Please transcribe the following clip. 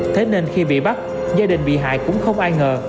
thế nên khi bị bắt gia đình bị hại cũng không ai ngờ